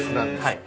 はい。